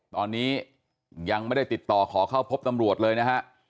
ตอนนี้ยังไม่ได้ติดต่อขอเข้าพบตำรวจเลยนะฮะ